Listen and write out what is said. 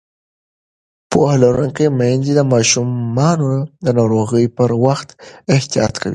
پوهه لرونکې میندې د ماشومانو د ناروغۍ پر وخت احتیاط کوي.